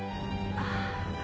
ああ。